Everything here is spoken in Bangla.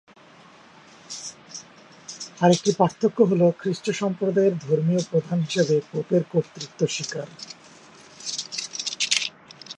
আর একটি পার্থক্য হল খ্রিস্ট সম্প্রদায়ের ধর্মীয় প্রধান হিসেবে পোপের কর্তৃত্ব স্বীকার।